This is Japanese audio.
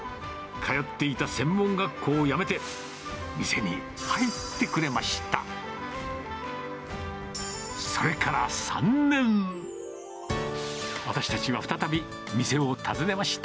通っていた専門学校をやめて、店に入ってくれました。